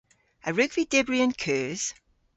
A wrug vy dybri an keus?